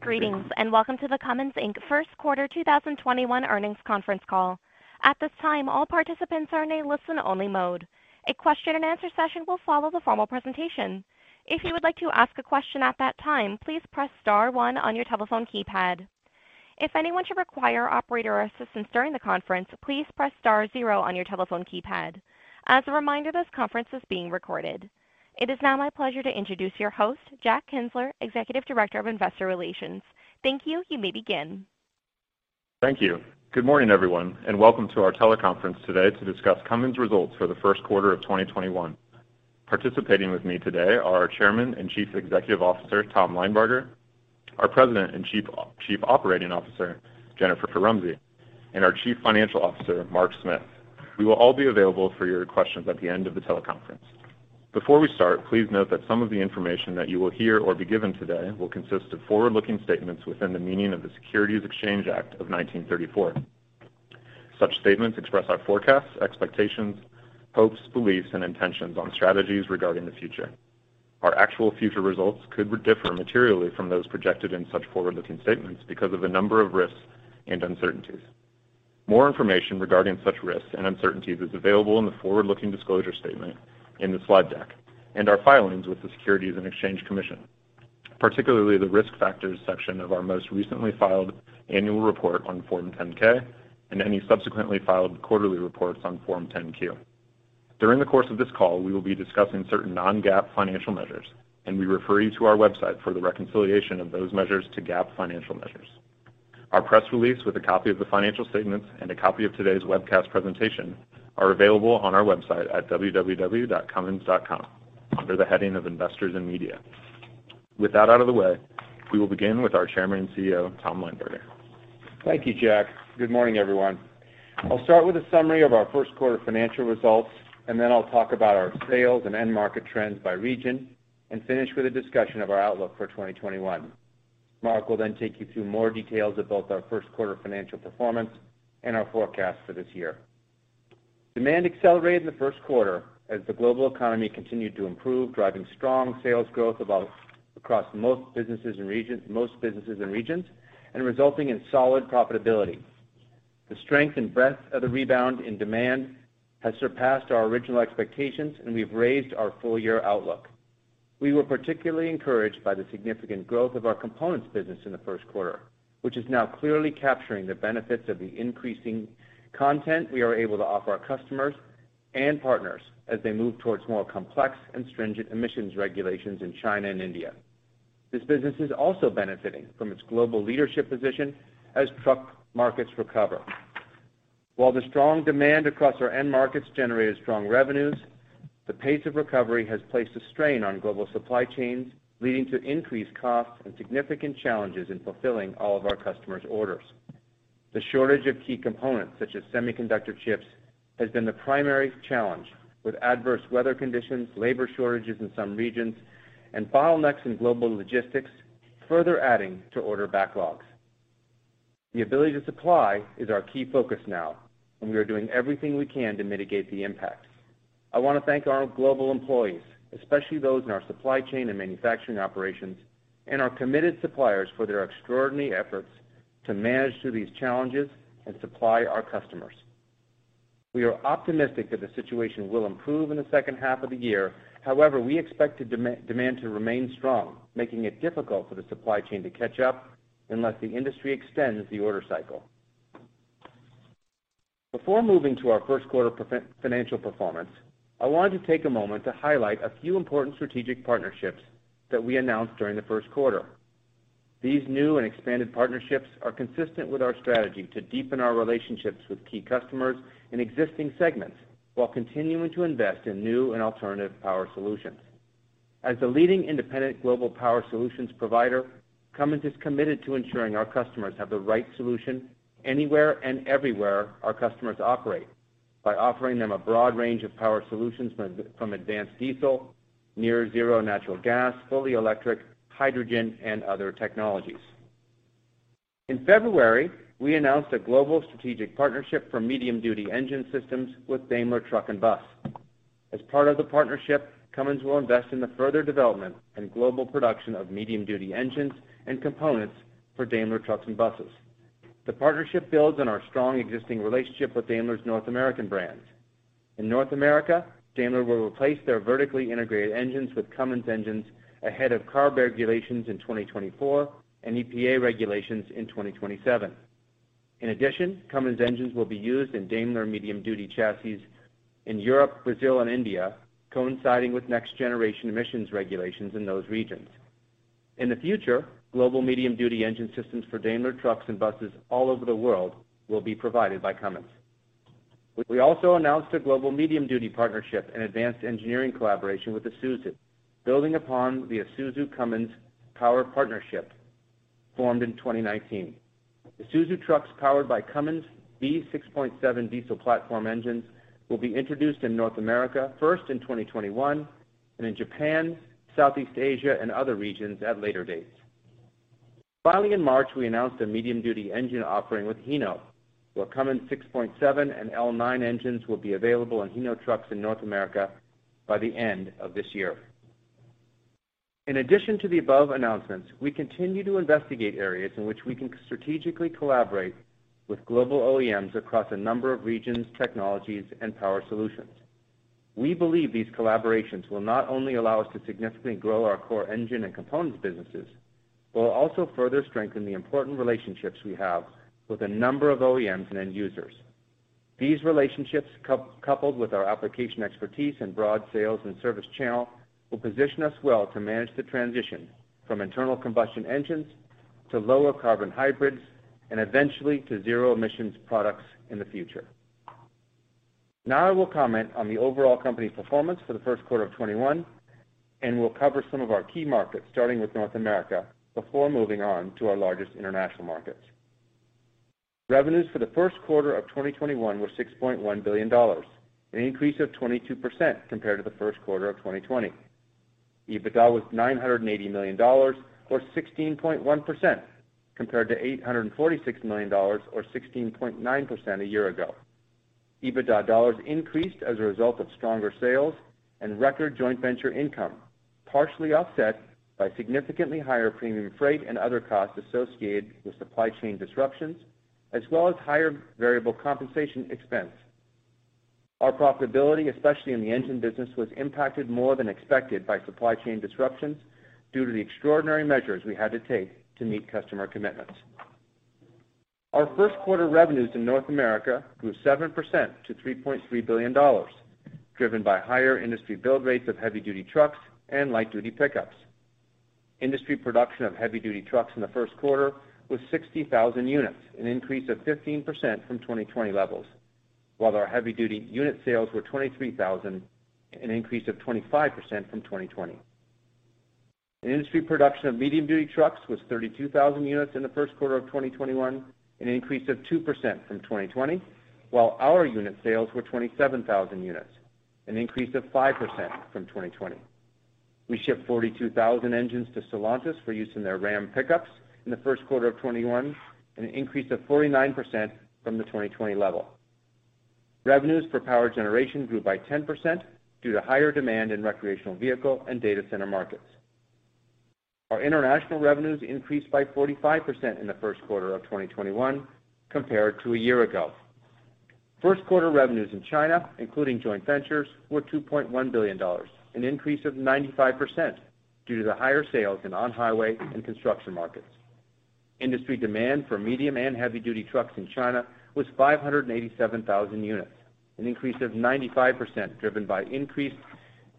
Greetings and welcome to the Cummins Inc First Quarter 2021 Earnings Conference Call. At this time, all participants are in a listen-only mode. A question-and-answer session will follow the formal presentation. If you would like to ask a question at that time, please press star one on your telephone keypad. If anyone should require operator assistance during the conference, please press star zero on your telephone keypad. As a reminder, this conference is being recorded. It is now my pleasure to introduce your host, Jack Kienzler, Executive Director of Investor Relations. Thank you. You may begin. Thank you. Good morning, everyone, and welcome to our teleconference today to discuss Cummins results for the first quarter of 2021. Participating with me today are our Chairman and Chief Executive Officer, Tom Linebarger; our President and Chief Operating Officer, Jennifer Rumsey, and our Chief Financial Officer, Mark Smith. We will all be available for your questions at the end of the teleconference. Before we start, please note that some of the information that you will hear or be given today will consist of forward-looking statements within the meaning of the Securities Exchange Act of 1934. Such statements express our forecasts, expectations, hopes, beliefs, and intentions on strategies regarding the future. Our actual future results could differ materially from those projected in such forward-looking statements because of a number of risks and uncertainties. More information regarding such risks and uncertainties is available in the forward-looking disclosure statement in the slide deck and our filings with the Securities and Exchange Commission, particularly the risk factors section of our most recently filed annual report on Form 10-K and any subsequently filed quarterly reports on Form 10-Q. During the course of this call, we will be discussing certain non-GAAP financial measures, and we refer you to our website for the reconciliation of those measures to GAAP financial measures. Our press release with a copy of the financial statements and a copy of today's webcast presentation are available on our website at www.cummins.com under the heading of Investors and Media. With that out of the way, we will begin with our Chairman and CEO, Tom Linebarger. Thank you, Jack. Good morning, everyone. I'll start with a summary of our first quarter financial results, and then I'll talk about our sales and end-market trends by region, and finish with a discussion of our outlook for 2021. Mark will then take you through more details of both our first quarter financial performance and our forecast for this year. Demand accelerated in the first quarter as the global economy continued to improve, driving strong sales growth across most businesses and regions and resulting in solid profitability. The strength and breadth of the rebound in demand has surpassed our original expectations, and we've raised our full-year outlook. We were particularly encouraged by the significant growth of our components business in the first quarter, which is now clearly capturing the benefits of the increasing content we are able to offer our customers and partners as they move towards more complex and stringent emissions regulations in China and India. This business is also benefiting from its global leadership position as truck markets recover. While the strong demand across our end markets generated strong revenues, the pace of recovery has placed a strain on global supply chains, leading to increased costs and significant challenges in fulfilling all of our customers' orders. The shortage of key components such as semiconductor chips has been the primary challenge, with adverse weather conditions, labor shortages in some regions, and bottlenecks in global logistics further adding to order backlogs. The ability to supply is our key focus now, and we are doing everything we can to mitigate the impact. I want to thank our global employees, especially those in our supply chain and manufacturing operations, and our committed suppliers for their extraordinary efforts to manage through these challenges and supply our customers. We are optimistic that the situation will improve in the second half of the year. However, we expect demand to remain strong, making it difficult for the supply chain to catch up unless the industry extends the order cycle. Before moving to our first quarter financial performance, I wanted to take a moment to highlight a few important strategic partnerships that we announced during the first quarter. These new and expanded partnerships are consistent with our strategy to deepen our relationships with key customers in existing segments while continuing to invest in new and alternative power solutions. As the leading independent global power solutions provider, Cummins is committed to ensuring our customers have the right solution anywhere and everywhere our customers operate by offering them a broad range of power solutions from advanced diesel, near-zero natural gas, fully electric, hydrogen, and other technologies. In February, we announced a global strategic partnership for medium-duty engine systems with Daimler Truck & Bus. As part of the partnership, Cummins will invest in the further development and global production of medium-duty engines and components for Daimler Trucks & Buses. The partnership builds on our strong existing relationship with Daimler's North American brands. In North America, Daimler will replace their vertically integrated engines with Cummins engines ahead of CARB regulations in 2024 and EPA regulations in 2027. In addition, Cummins engines will be used in Daimler medium-duty chassis in Europe, Brazil, and India, coinciding with next-generation emissions regulations in those regions. In the future, global medium-duty engine systems for Daimler Trucks & Buses all over the world will be provided by Cummins. We also announced a global medium-duty partnership and advanced engineering collaboration with Isuzu, building upon the Isuzu Cummins Power Partnership formed in 2019. Isuzu Trucks powered by Cummins B6.7 diesel platform engines will be introduced in North America first in 2021 and in Japan, Southeast Asia, and other regions at later dates. Finally, in March, we announced a medium-duty engine offering with Hino, where Cummins 6.7 and L9 engines will be available on Hino trucks in North America by the end of this year. In addition to the above announcements, we continue to investigate areas in which we can strategically collaborate with global OEMs across a number of regions, technologies, and power solutions. We believe these collaborations will not only allow us to significantly grow our core engine and components businesses, but will also further strengthen the important relationships we have with a number of OEMs and end users. These relationships, coupled with our application expertise and broad sales and service channel, will position us well to manage the transition from internal combustion engines to lower-carbon hybrids and eventually to zero-emissions products in the future. Now I will comment on the overall company performance for the first quarter of 2021, and we'll cover some of our key markets, starting with North America before moving on to our largest international markets. Revenues for the first quarter of 2021 were $6.1 billion, an increase of 22% compared to the first quarter of 2020. EBITDA was $980 million, or 16.1% compared to $846 million, or 16.9% a year ago. EBITDA dollars increased as a result of stronger sales and record joint venture income, partially offset by significantly higher premium freight and other costs associated with supply chain disruptions, as well as higher variable compensation expense. Our profitability, especially in the engine business, was impacted more than expected by supply chain disruptions due to the extraordinary measures we had to take to meet customer commitments. Our first quarter revenues in North America grew 7% to $3.3 billion, driven by higher industry build rates of heavy-duty trucks and light-duty pickups. Industry production of heavy-duty trucks in the first quarter was 60,000 units, an increase of 15% from 2020 levels, while our heavy-duty unit sales were 23,000 units, an increase of 25% from 2020. Industry production of medium-duty trucks was 32,000 units in the first quarter of 2021, an increase of 2% from 2020, while our unit sales were 27,000 units, an increase of 5% from 2020. We shipped 42,000 engines to Stellantis for use in their RAM pickups in the first quarter of 2021, an increase of 49% from the 2020 level. Revenues for power generation grew by 10% due to higher demand in recreational vehicle and data center markets. Our international revenues increased by 45% in the first quarter of 2021 compared to a year ago. First quarter revenues in China, including joint ventures, were $2.1 billion, an increase of 95% due to the higher sales in on-highway and construction markets. Industry demand for medium and heavy-duty trucks in China was 587,000 units, an increase of 95% driven by increased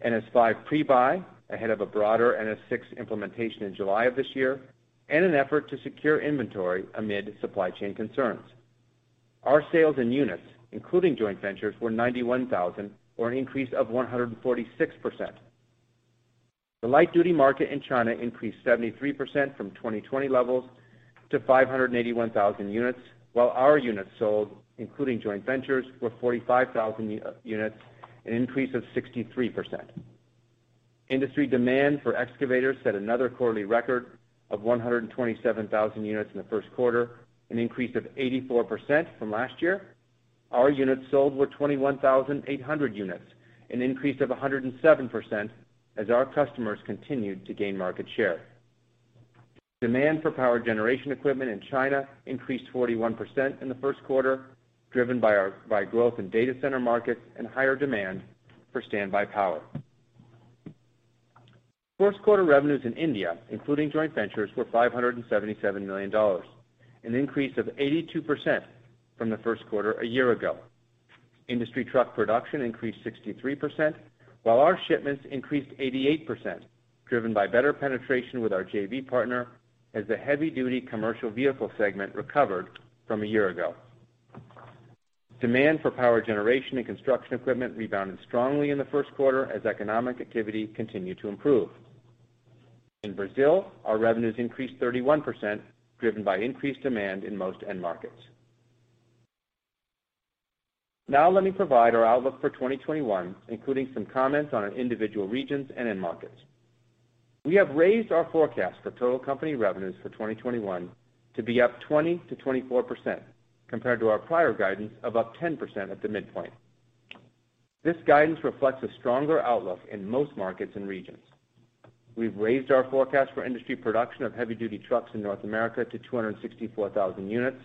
NS V pre-buy ahead of a broader NS VI implementation in July of this year and an effort to secure inventory amid supply chain concerns. Our sales in units, including joint ventures, were 91,000 units, or an increase of 146%. The light-duty market in China increased 73% from 2020 levels to 581,000 units, while our units sold, including joint ventures, were 45,000 units, an increase of 63%. Industry demand for excavators set another quarterly record of 127,000 units in the first quarter, an increase of 84% from last year. Our units sold were 21,800 units, an increase of 107% as our customers continued to gain market share. Demand for power generation equipment in China increased 41% in the first quarter, driven by growth in data center markets and higher demand for standby power. First quarter revenues in India, including joint ventures, were $577 million, an increase of 82% from the first quarter a year ago. Industry truck production increased 63%, while our shipments increased 88%, driven by better penetration with our JV partner as the heavy-duty commercial vehicle segment recovered from a year ago. Demand for power generation and construction equipment rebounded strongly in the first quarter as economic activity continued to improve. In Brazil, our revenues increased 31%, driven by increased demand in most end markets. Let me provide our outlook for 2021, including some comments on individual regions and end markets. We have raised our forecast for total company revenues for 2021 to be up 20%-24% compared to our prior guidance of up 10% at the midpoint. This guidance reflects a stronger outlook in most markets and regions. We've raised our forecast for industry production of heavy-duty trucks in North America to 264,000 units,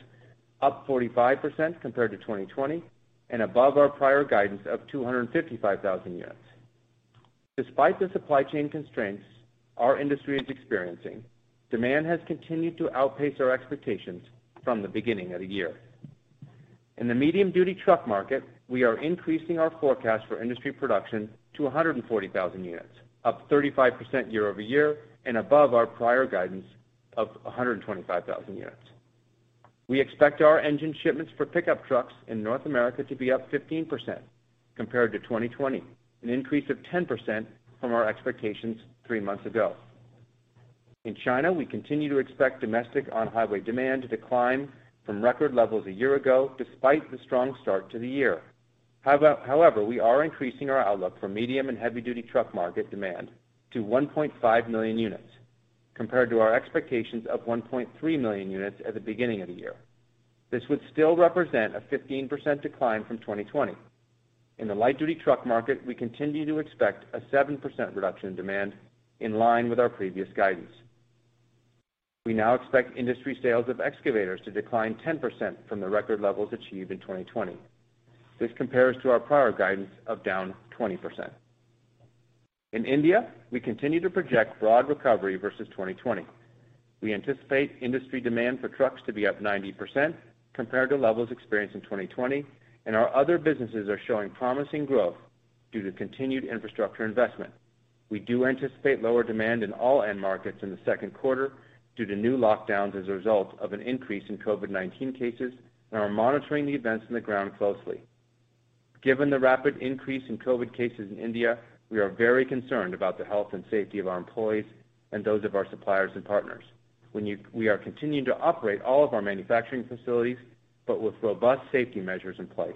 up 45% compared to 2020 and above our prior guidance of 255,000 units. Despite the supply chain constraints our industry is experiencing, demand has continued to outpace our expectations from the beginning of the year. In the medium-duty truck market, we are increasing our forecast for industry production to 140,000 units, up 35% year-over-year and above our prior guidance of 125,000 units. We expect our engine shipments for pickup trucks in North America to be up 15% compared to 2020, an increase of 10% from our expectations three months ago. In China, we continue to expect domestic on-highway demand to decline from record levels a year ago despite the strong start to the year. We are increasing our outlook for medium and heavy-duty truck market demand to 1.5 million units compared to our expectations of 1.3 million units at the beginning of the year. This would still represent a 15% decline from 2020. In the light-duty truck market, we continue to expect a 7% reduction in demand in line with our previous guidance. We now expect industry sales of excavators to decline 10% from the record levels achieved in 2020. This compares to our prior guidance of down 20%. In India, we continue to project broad recovery versus 2020. We anticipate industry demand for trucks to be up 90% compared to levels experienced in 2020, and our other businesses are showing promising growth due to continued infrastructure investment. We do anticipate lower demand in all end markets in the second quarter due to new lockdowns as a result of an increase in COVID-19 cases, and we're monitoring the events on the ground closely. Given the rapid increase in COVID cases in India, we are very concerned about the health and safety of our employees and those of our suppliers and partners. We are continuing to operate all of our manufacturing facilities but with robust safety measures in place.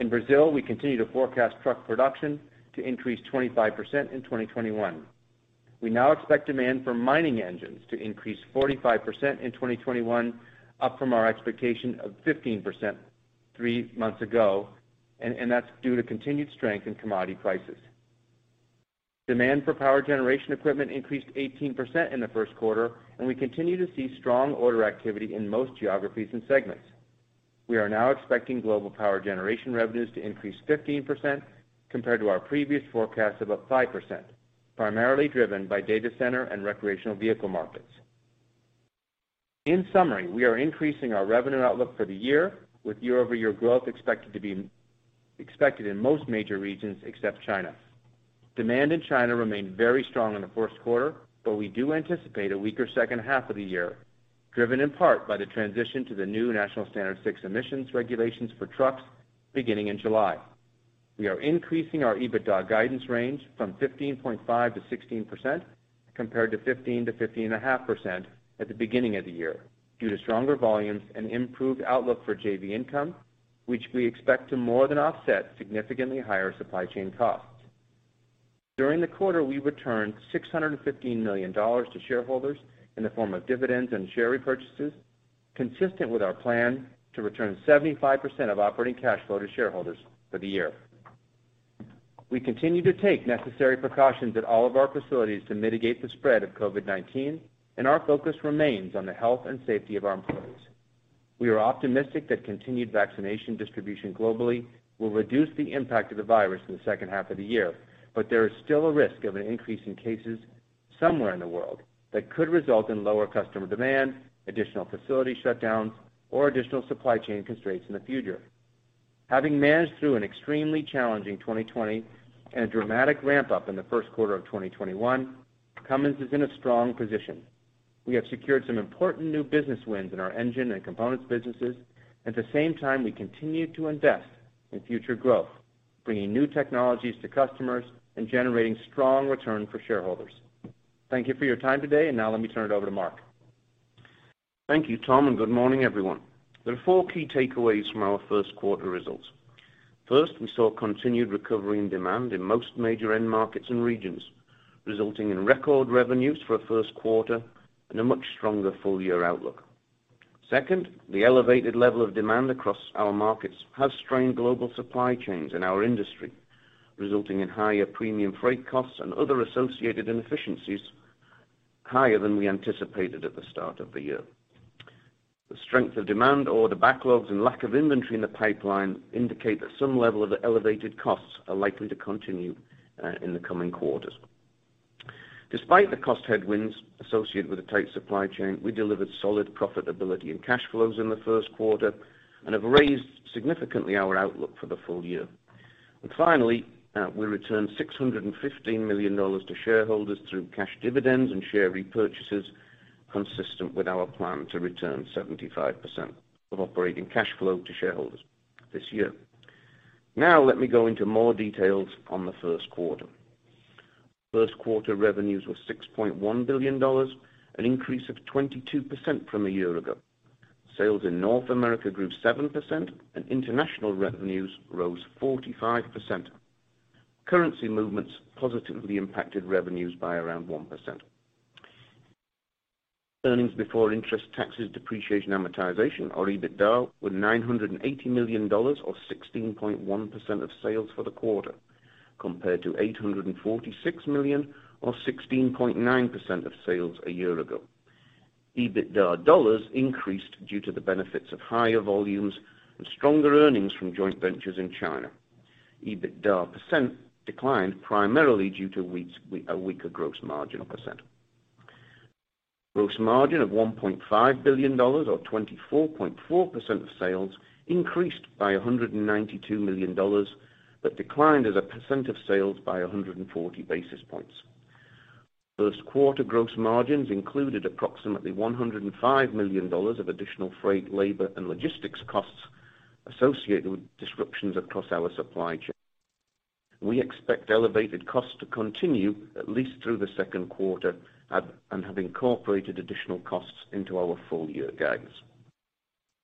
In Brazil, we continue to forecast truck production to increase 25% in 2021. We now expect demand for mining engines to increase 45% in 2021, up from our expectation of 15% three months ago, and that's due to continued strength in commodity prices. Demand for power generation equipment increased 18% in the first quarter, and we continue to see strong order activity in most geographies and segments. We are now expecting global power generation revenues to increase 15% compared to our previous forecast of up 5%, primarily driven by data center and recreational vehicle markets. In summary, we are increasing our revenue outlook for the year, with year-over-year growth expected to be in most major regions except China. Demand in China remained very strong in the first quarter, but we do anticipate a weaker second half of the year, driven in part by the transition to the new National Standard VI emissions regulations for trucks beginning in July. We are increasing our EBITDA guidance range from 15.5%-16% compared to 15%-15.5% at the beginning of the year due to stronger volumes and improved outlook for JV income, which we expect to more than offset significantly higher supply chain costs. During the quarter, we returned $615 million to shareholders in the form of dividends and share repurchases, consistent with our plan to return 75% of operating cash flow to shareholders for the year. We continue to take necessary precautions at all of our facilities to mitigate the spread of COVID-19, and our focus remains on the health and safety of our employees. We are optimistic that continued vaccination distribution globally will reduce the impact of the virus in the second half of the year, but there is still a risk of an increase in cases somewhere in the world that could result in lower customer demand, additional facility shutdowns, or additional supply chain constraints in the future. Having managed through an extremely challenging 2020 and a dramatic ramp-up in the first quarter of 2021, Cummins is in a strong position. We have secured some important new business wins in our engine and components businesses, and at the same time, we continue to invest in future growth, bringing new technologies to customers and generating strong returns for shareholders. Thank you for your time today, and now let me turn it over to Mark. Thank you, Tom, and good morning, everyone. There are four key takeaways from our first quarter results. First, we saw continued recovery in demand in most major end markets and regions, resulting in record revenues for the first quarter and a much stronger full-year outlook. Second, the elevated level of demand across our markets has strained global supply chains in our industry, resulting in higher premium freight costs and other associated inefficiencies higher than we anticipated at the start of the year. The strength of demand, order backlogs, and lack of inventory in the pipeline indicate that some level of elevated costs are likely to continue in the coming quarters. Despite the cost headwinds associated with a tight supply chain, we delivered solid profitability and cash flows in the first quarter and have raised significantly our outlook for the full year. Finally, we returned $615 million to shareholders through cash dividends and share repurchases, consistent with our plan to return 75% of operating cash flow to shareholders this year. Now let me go into more details on the first quarter. First quarter revenues were $6.1 billion, an increase of 22% from a year ago. Sales in North America grew 7%, and international revenues rose 45%. Currency movements positively impacted revenues by around 1%. Earnings before interest, taxes, depreciation, amortization, or EBITDA were $980 million, or 16.1% of sales for the quarter, compared to $846 million, or 16.9% of sales a year ago. EBITDA dollars increased due to the benefits of higher volumes and stronger earnings from joint ventures in China. EBITDA percent declined primarily due to a weaker gross margin percent. Gross margin of $1.5 billion, or 24.4% of sales, increased by $192 million but declined as a percent of sales by 140 basis points. First quarter gross margins included approximately $105 million of additional freight, labor, and logistics costs associated with disruptions across our supply chain. We expect elevated costs to continue at least through the second quarter and have incorporated additional costs into our full-year guidance.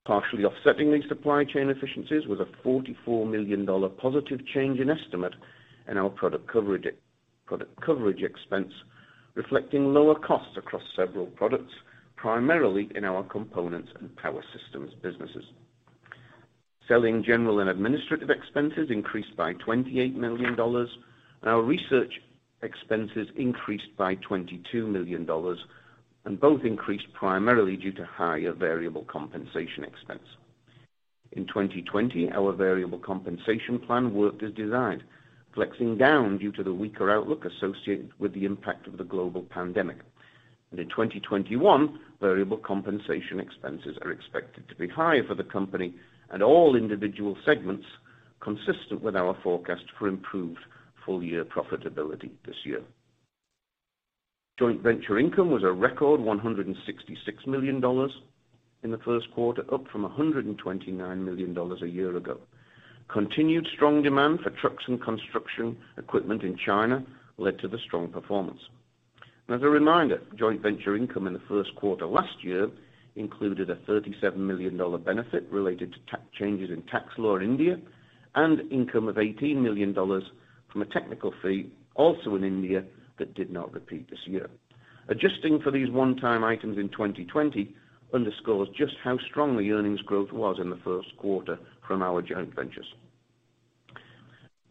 Partially offsetting these supply chain efficiencies was a $44 million positive change in estimate in our product coverage expense, reflecting lower costs across several products, primarily in our components and power systems businesses. Selling general and administrative expenses increased by $28 million, and our research expenses increased by $22 million, and both increased primarily due to higher variable compensation expense. In 2020, our variable compensation plan worked as desired, flexing down due to the weaker outlook associated with the impact of the global pandemic. In 2021, variable compensation expenses are expected to be higher for the company and all individual segments, consistent with our forecast for improved full-year profitability this year. Joint venture income was a record $166 million in the first quarter, up from $129 million a year ago. Continued strong demand for trucks and construction equipment in China led to the strong performance. As a reminder, joint venture income in the first quarter last year included a $37 million benefit related to changes in tax law in India and income of $18 million from a technical fee, also in India, that did not repeat this year. Adjusting for these one-time items in 2020 underscores just how strong the earnings growth was in the first quarter from our joint ventures.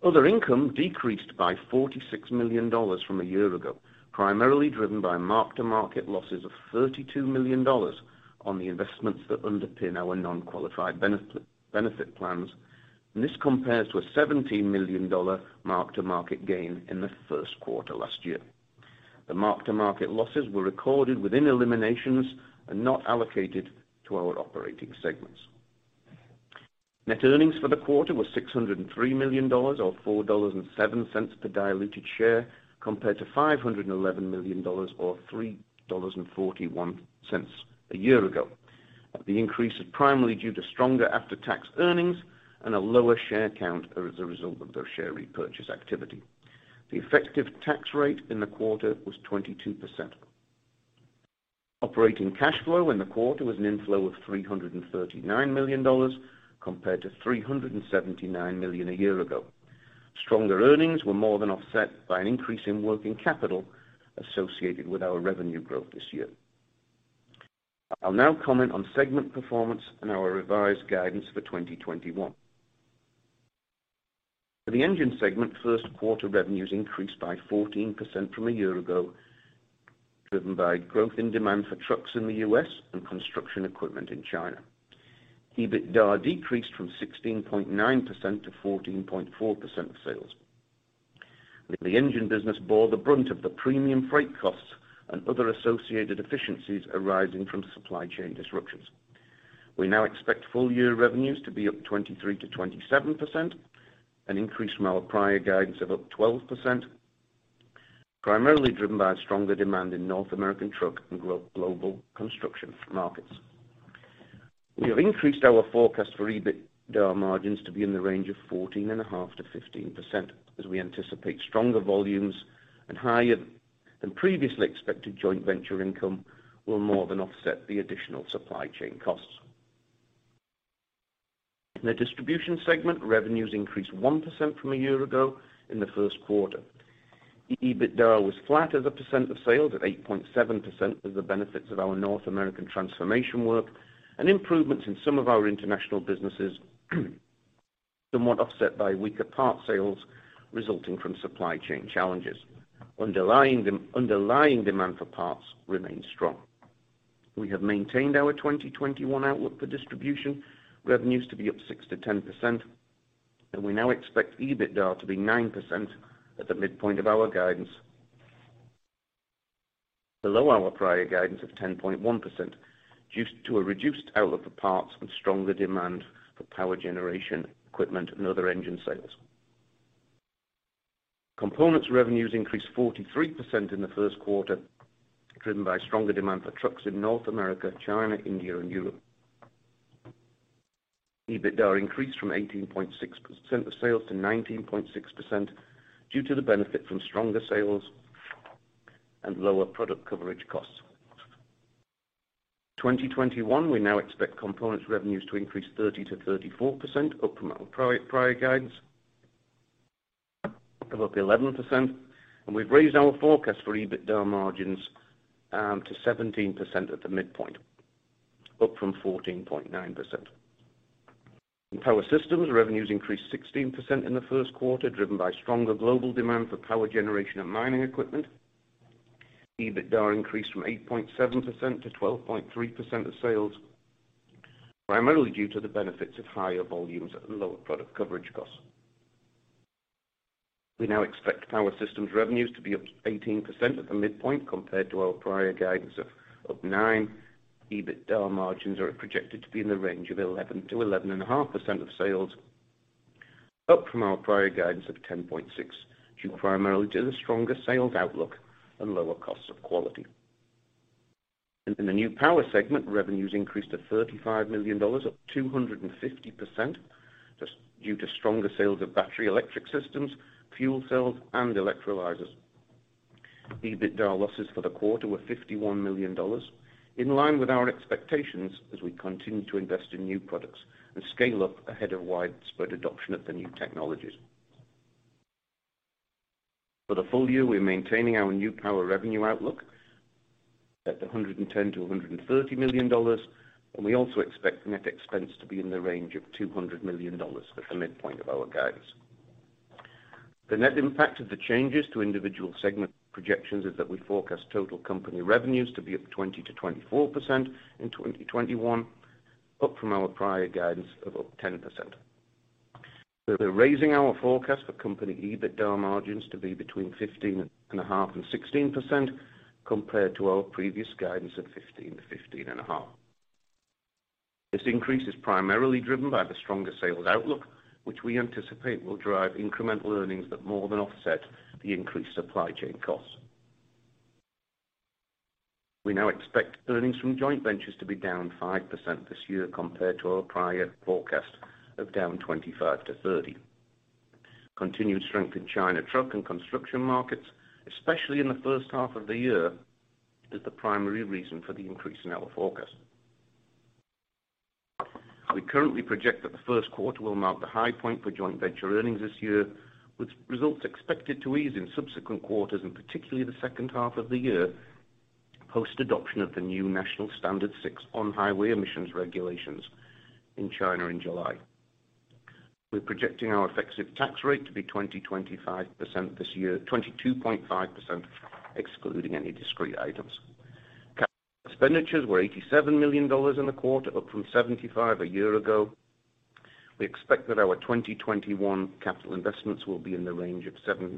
Other income decreased by $46 million from a year ago, primarily driven by mark-to-market losses of $32 million on the investments that underpin our non-qualified benefit plans, and this compares to a $17 million mark-to-market gain in the first quarter last year. The mark-to-market losses were recorded within eliminations and not allocated to our operating segments. Net earnings for the quarter were $603 million, or $4.07 per diluted share, compared to $511 million, or $3.41 a year ago. The increase is primarily due to stronger after-tax earnings and a lower share count as a result of those share repurchase activity. The effective tax rate in the quarter was 22%. Operating cash flow in the quarter was an inflow of $339 million compared to $379 million a year ago. Stronger earnings were more than offset by an increase in working capital associated with our revenue growth this year. I'll now comment on segment performance and our revised guidance for 2021. For the engine segment, first quarter revenues increased by 14% from a year ago, driven by growth in demand for trucks in the U.S. and construction equipment in China. EBITDA decreased from 16.9% to 14.4% of sales. The engine business bore the brunt of the premium freight costs and other associated efficiencies arising from supply chain disruptions. We now expect full-year revenues to be up 23%-27%, an increase from our prior guidance of up 12%, primarily driven by stronger demand in North American truck and global construction markets. We have increased our forecast for EBITDA margins to be in the range of 14.5%-15%, as we anticipate stronger volumes and higher than previously expected joint venture income will more than offset the additional supply chain costs. In the Distribution segment, revenues increased 1% from a year ago in the first quarter. EBITDA was flat as a percent of sales at 8.7% as the benefits of our North American transformation work and improvements in some of our international businesses, somewhat offset by weaker parts sales resulting from supply chain challenges. Underlying demand for parts remained strong. We have maintained our 2021 outlook for distribution revenues to be up 6%-10%, and we now expect EBITDA to be 9% at the midpoint of our guidance, below our prior guidance of 10.1% due to a reduced outlook for parts and stronger demand for power generation equipment and other engine sales. Components revenues increased 43% in the first quarter, driven by stronger demand for trucks in North America, China, India, and Europe. EBITDA increased from 18.6% of sales to 19.6% due to the benefit from stronger sales and lower product coverage costs. 2021, we now expect components revenues to increase 30%-34%, up from our prior guidance of up 11%, and we've raised our forecast for EBITDA margins to 17% at the midpoint, up from 14.9%. In power systems, revenues increased 16% in the first quarter, driven by stronger global demand for power generation and mining equipment. EBITDA increased from 8.7%-12.3% of sales, primarily due to the benefits of higher volumes and lower product coverage costs. We now expect power systems revenues to be up 18% at the midpoint compared to our prior guidance of up 9%. EBITDA margins are projected to be in the range of 11%-11.5% of sales, up from our prior guidance of 10.6% due primarily to the stronger sales outlook and lower costs of quality. In the New Power segment, revenues increased to $35 million, up 250% due to stronger sales of battery electric systems, fuel cells, and electrolyzers. EBITDA losses for the quarter were $51 million, in line with our expectations as we continue to invest in new products and scale up ahead of widespread adoption of the new technologies. For the full year, we're maintaining our new power revenue outlook at the $110 million-$130 million, and we also expect net expense to be in the range of $200 million at the midpoint of our guidance. The net impact of the changes to individual segment projections is that we forecast total company revenues to be up 20%-24% in 2021, up from our prior guidance of up 10%. We're raising our forecast for company EBITDA margins to be between 15.5% and 16% compared to our previous guidance of 15%-15.5%. This increase is primarily driven by the stronger sales outlook, which we anticipate will drive incremental earnings that more than offset the increased supply chain costs. We now expect earnings from joint ventures to be down 5% this year compared to our prior forecast of down 25%-30%. Continued strength in China truck and construction markets, especially in the first half of the year, is the primary reason for the increase in our forecast. We currently project that the first quarter will mark the high point for joint venture earnings this year, with results expected to ease in subsequent quarters, and particularly the second half of the year post-adoption of the new National Standard VI on highway emissions regulations in China in July. We're projecting our effective tax rate to be 20%-25% this year, 22.5% excluding any discrete items. Capital expenditures were $87 million in the quarter, up from $75 million a year ago. We expect that our 2021 capital investments will be in the range of $725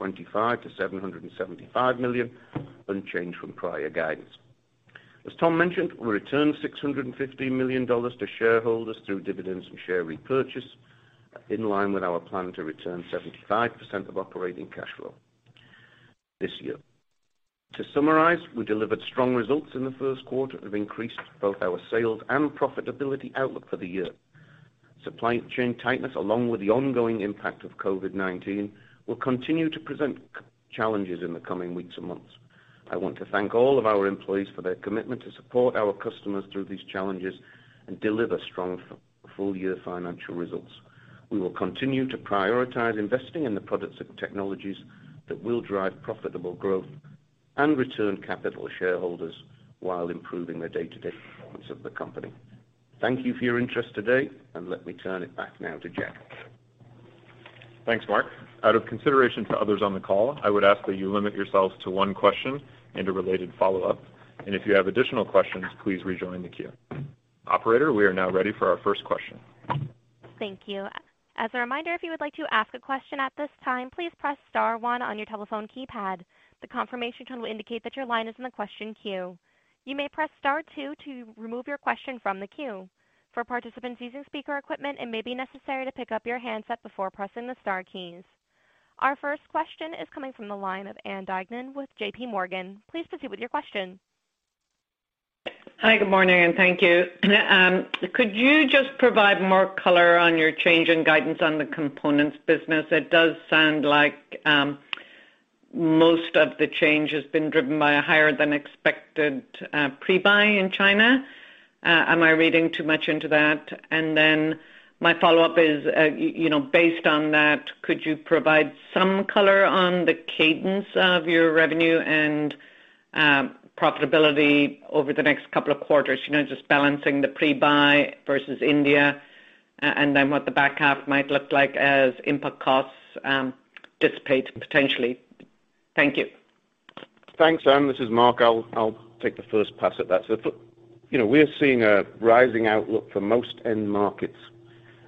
million-$775 million, unchanged from prior guidance. As Tom mentioned, we return $615 million to shareholders through dividends and share repurchase, in line with our plan to return 75% of operating cash flow this year. To summarize, we delivered strong results in the first quarter that have increased both our sales and profitability outlook for the year. Supply chain tightness, along with the ongoing impact of COVID-19, will continue to present challenges in the coming weeks and months. I want to thank all of our employees for their commitment to support our customers through these challenges and deliver strong full-year financial results. We will continue to prioritize investing in the products and technologies that will drive profitable growth and return capital to shareholders while improving the day-to-day performance of the company. Thank you for your interest today, and let me turn it back now to Jack. Thanks, Mark. Out of consideration to others on the call, I would ask that you limit yourselves to one question and a related follow-up, and if you have additional questions, please rejoin the queue. Operator, we are now ready for our first question. Thank you. As a reminder, if you would like to ask a question at this time, please press star one on your telephone keypad. The confirmation tone will indicate that your line is in the question queue. You may press star two to remove your question from the queue. For participants using speaker equipment, it may be necessary to pick-up your handset before pressing the star keys. Our first question is coming from the line of Ann Duignan with JPMorgan. Please proceed with your question. Hi. Good morning, and thank you. Could you just provide more color on your change in guidance on the components business? It does sound like most of the change has been driven by a higher-than-expected pre-buy in China. Am I reading too much into that? My follow-up is, based on that, could you provide some color on the cadence of your revenue and profitability over the next couple of quarters, just balancing the pre-buy versus India and then what the back half might look like as impact costs dissipate, potentially? Thank you. Thanks, Ann. This is Mark. I'll take the first pass at that. We're seeing a rising outlook for most end markets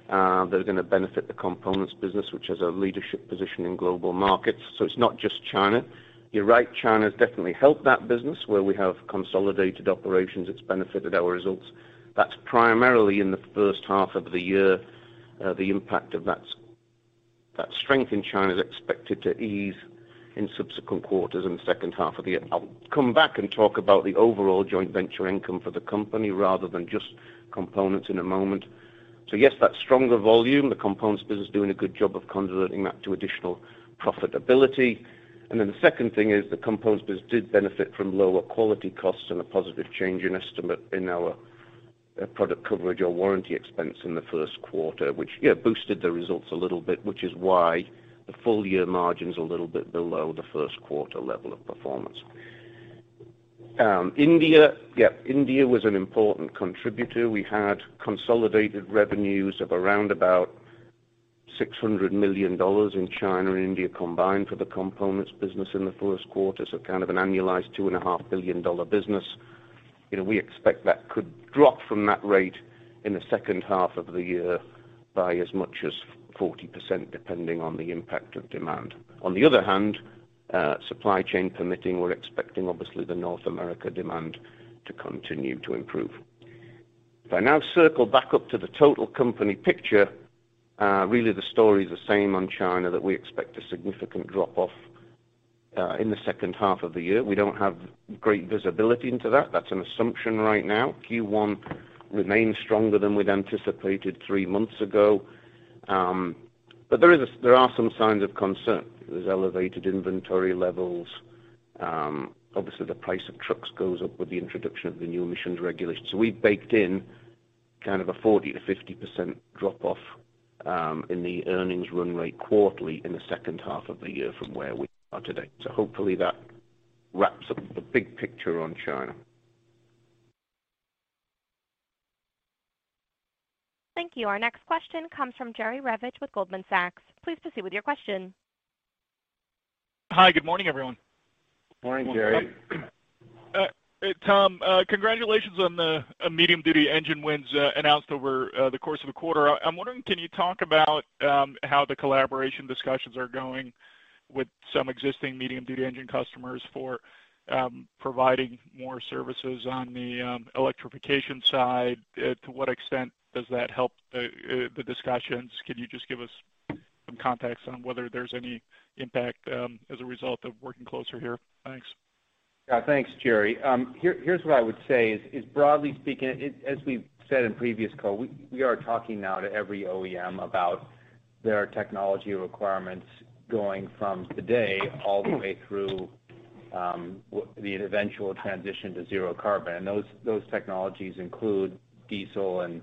that are going to benefit the components business, which has a leadership position in global markets, so it's not just China. You're right. China's definitely helped that business, where we have consolidated operations. It's benefited our results. That's primarily in the first half of the year. The impact of that strength in China is expected to ease in subsequent quarters and the second half of the year. I'll come back and talk about the overall joint venture income for the company rather than just components in a moment. Yes, that stronger volume, the components business doing a good job of converting that to additional profitability. The second thing is the components business did benefit from lower quality costs and a positive change in estimate in our product coverage or warranty expense in the first quarter, which boosted the results a little bit, which is why the full-year margin's a little bit below the first quarter level of performance. Yeah. India was an important contributor. We had consolidated revenues of around about $600 million in China and India combined for the components business in the first quarter, so kind of an annualized $2.5 billion business. We expect that could drop from that rate in the second half of the year by as much as 40%, depending on the impact of demand. On the other hand, supply chain permitting, we're expecting, obviously, the North America demand to continue to improve. If I now circle back up to the total company picture, really, the story's the same on China that we expect a significant drop-off in the second half of the year. We don't have great visibility into that. That's an assumption right now. Q1 remained stronger than we'd anticipated three months ago. There are some signs of concern. There's elevated inventory levels. Obviously, the price of trucks goes up with the introduction of the new emissions regulations. We've baked in kind of a 40%-50% drop-off in the earnings run rate quarterly in the second half of the year from where we are today. Hopefully, that wraps up the big picture on China. Thank you. Our next question comes from Jerry Revich with Goldman Sachs. Please proceed with your question. Hi. Good morning, everyone. Morning, Jerry. Tom, congratulations on the medium-duty engine wins announced over the course of the quarter. I'm wondering, can you talk about how the collaboration discussions are going with some existing medium-duty engine customers for providing more services on the electrification side? To what extent does that help the discussions? Can you just give us some context on whether there's any impact as a result of working closer here? Thanks. Yeah. Thanks, Jerry. Here's what I would say is, broadly speaking, as we've said in previous calls, we are talking now to every OEM about their technology requirements going from today all the way through the eventual transition to zero carbon. Those technologies include diesel and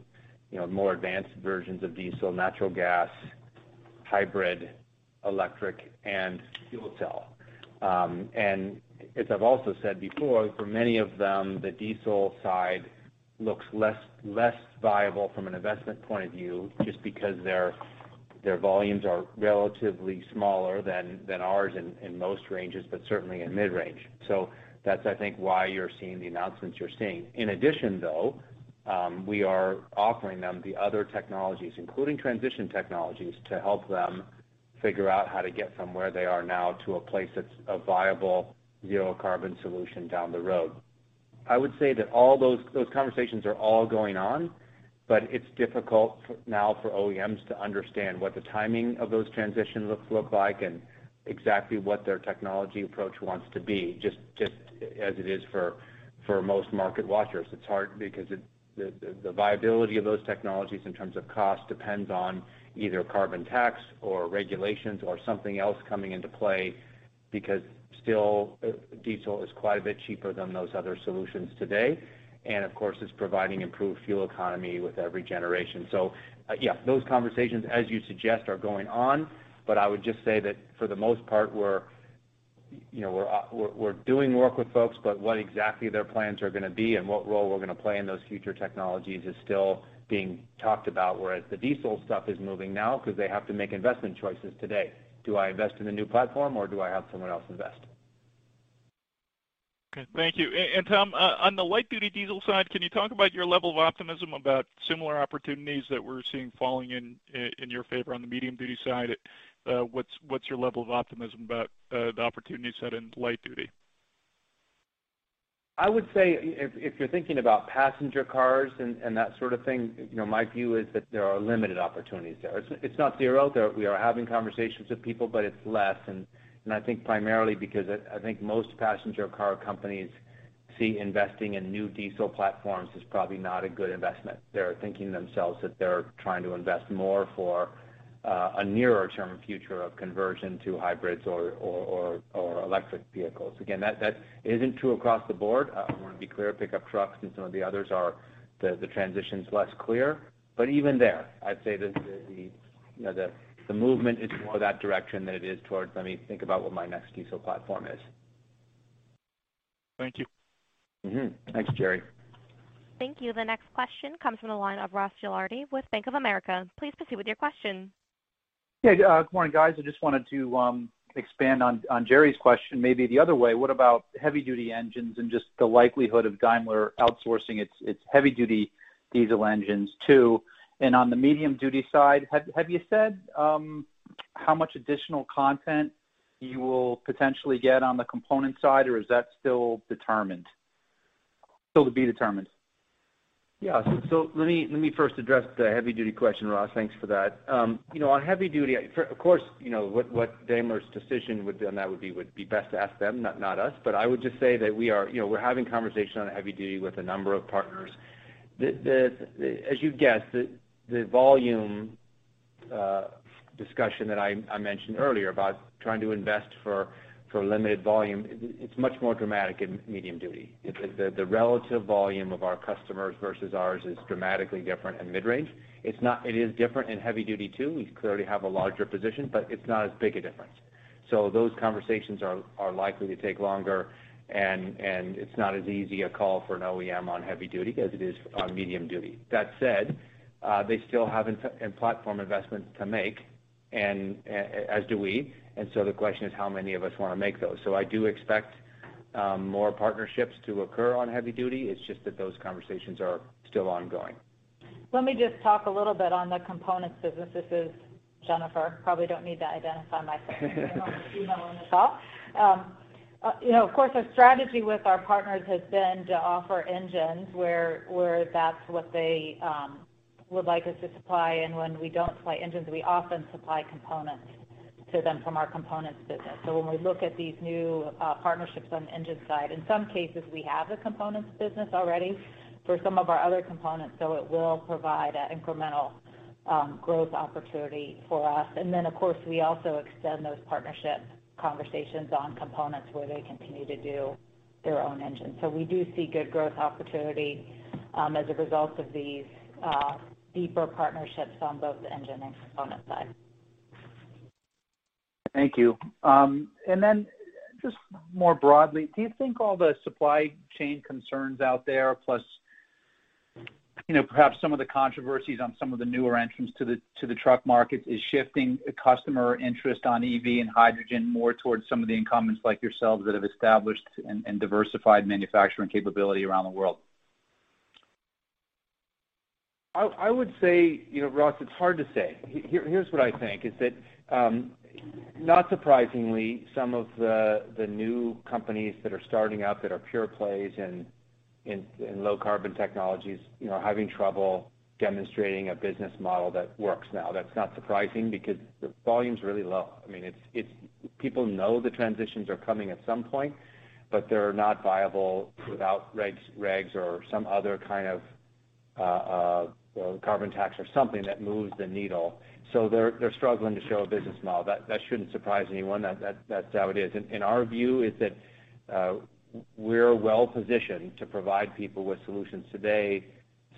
more advanced versions of diesel, natural gas, hybrid, electric, and fuel cell. As I've also said before, for many of them, the diesel side looks less viable from an investment point of view just because their volumes are relatively smaller than ours in most ranges, but certainly in mid-range. That's, I think, why you're seeing the announcements you're seeing. In addition, though, we are offering them the other technologies, including transition technologies, to help them figure out how to get from where they are now to a place that's a viable zero-carbon solution down the road. I would say that all those conversations are all going on, but it's difficult now for OEMs to understand what the timing of those transitions look like and exactly what their technology approach wants to be, just as it is for most market watchers. It's hard because the viability of those technologies in terms of cost depends on either carbon tax or regulations or something else coming into play because still, diesel is quite a bit cheaper than those other solutions today, and of course, it's providing improved fuel economy with every generation. Yeah, those conversations, as you suggest, are going on, but I would just say that for the most part, we're doing work with folks, but what exactly their plans are going to be and what role we're going to play in those future technologies is still being talked about, whereas the diesel stuff is moving now because they have to make investment choices today. Do I invest in the new platform, or do I have someone else invest? Okay. Thank you. Tom, on the light-duty diesel side, can you talk about your level of optimism about similar opportunities that we're seeing falling in your favor on the medium-duty side? What's your level of optimism about the opportunities set in light-duty? I would say if you're thinking about passenger cars and that sort of thing, my view is that there are limited opportunities there. It's not zero. We are having conversations with people, but it's less, and I think primarily because I think most passenger car companies see investing in new diesel platforms as probably not a good investment. They're thinking themselves that they're trying to invest more for a nearer-term future of conversion to hybrids or electric vehicles. Again, that isn't true across the board. I want to be clear. Pickup trucks and some of the others are the transition's less clear, but even there, I'd say the movement is more that direction than it is towards, "Let me think about what my next diesel platform is. Thank you. Thanks, Jerry. Thank you. The next question comes from the line of Ross Gilardi with Bank of America. Please proceed with your question. Good morning, guys. I just wanted to expand on Jerry's question maybe the other way. What about heavy-duty engines and just the likelihood of Daimler outsourcing its heavy-duty diesel engines too? On the medium-duty side, have you said how much additional content you will potentially get on the component side, or is that still to be determined? Let me first address the heavy-duty question, Ross. Thanks for that. On heavy-duty, of course, what Daimler's decision would be on that would be best to ask them, not us, but I would just say that we're having conversations on heavy-duty with a number of partners. As you guessed, the volume discussion that I mentioned earlier about trying to invest for limited volume, it's much more dramatic in medium-duty. The relative volume of our customers versus ours is dramatically different in mid-range. It is different in heavy-duty too. We clearly have a larger position, but it's not as big a difference. Those conversations are likely to take longer, and it's not as easy a call for an OEM on heavy-duty as it is on medium-duty. That said, they still have platform investments to make, and as do we, and so the question is how many of us want to make those. I do expect more partnerships to occur on heavy-duty. It's just that those conversations are still ongoing. Let me just talk a little bit on the components business. This is Jennifer. Probably don't need to identify myself. I'm the only female on the call. Of course, our strategy with our partners has been to offer engines where that's what they would like us to supply, and when we don't supply engines, we often supply components to them from our components business. When we look at these new partnerships on the engine side, in some cases, we have the components business already for some of our other components, so it will provide an incremental growth opportunity for us. Of course, we also extend those partnership conversations on components where they continue to do their own engine. We do see good growth opportunity as a result of these deeper partnerships on both the engine and component side. Thank you. Just more broadly, do you think all the supply chain concerns out there, plus perhaps some of the controversies on some of the newer entrants to the truck markets, is shifting customer interest on EV and hydrogen more towards some of the incumbents like yourselves that have established and diversified manufacturing capability around the world? I would say, Ross, it's hard to say. Here's what I think, is that not surprisingly, some of the new companies that are starting up that are pure plays in low-carbon technologies are having trouble demonstrating a business model that works now. That's not surprising because the volume's really low. I mean, people know the transitions are coming at some point, but they're not viable without regs or some other kind of carbon tax or something that moves the needle, so they're struggling to show a business model. That shouldn't surprise anyone. That's how it is. Our view is that we're well-positioned to provide people with solutions today,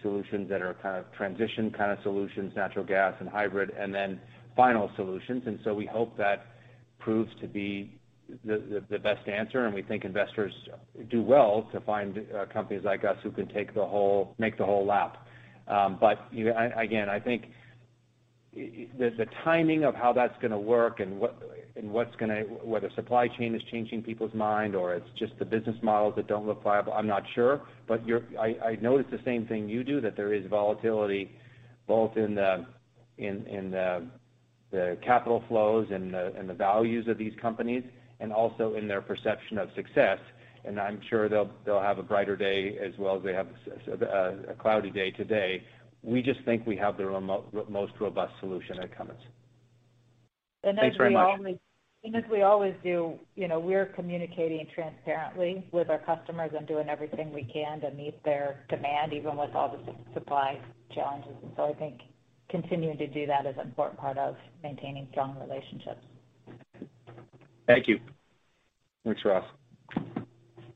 solutions that are kind of transition kind of solutions, natural gas and hybrid, then final solutions. We hope that proves to be the best answer, and we think investors do well to find companies like us who can make the whole lap. Again, I think the timing of how that's going to work and whether supply chain is changing people's mind or it's just the business models that don't look viable, I'm not sure, but I noticed the same thing you do, that there is volatility both in the capital flows and the values of these companies and also in their perception of success, and I'm sure they'll have a brighter day as well as they have a cloudy day today. We just think we have the most robust solution that comes. Thanks very much. As we always do, we're communicating transparently with our customers and doing everything we can to meet their demand even with all the supply challenges, I think continuing to do that is an important part of maintaining strong relationships. Thank you. Thanks, Ross.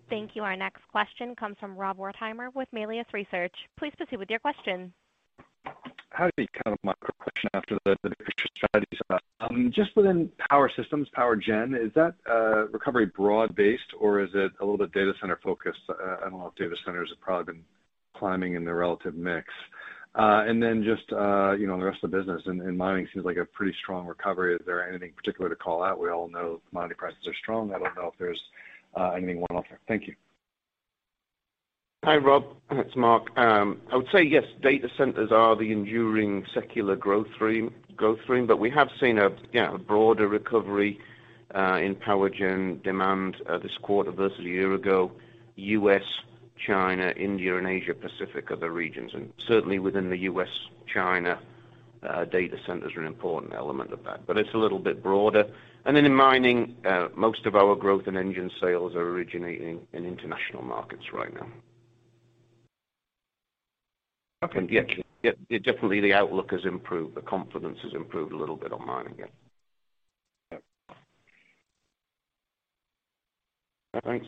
Thank you. Our next question comes from Rob Wertheimer with Melius Research. Please proceed with your question. How do you count on my question after the different strategies? Just within Power Systems, Power Gen, is that recovery broad-based, or is it a little bit data center focused? I don't know if data centers have probably been climbing in their relative mix. Just on the rest of the business, and mining seems like a pretty strong recovery. Is there anything particular to call out? We all know commodity prices are strong. I don't know if there's anything one-off there. Thank you. Hi, Rob. It's Mark. I would say, yes, data centers are the enduring secular growth stream, but we have seen a broader recovery in power gen demand this quarter versus a year ago, U.S., China, India, and Asia-Pacific are the regions, and certainly within the U.S., China, data centers are an important element of that, but it's a little bit broader. Then in mining, most of our growth and engine sales are originating in international markets right now. Yeah. Definitely, the outlook has improved. The confidence has improved a little bit on mining, yeah. Thanks.